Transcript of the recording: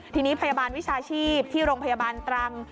ทีนี้พยาบาลวิชาชีพที่โรงพยาบาลตรัง